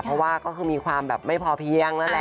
เพราะว่าก็คือมีความแบบไม่พอเพียงนั่นแหละ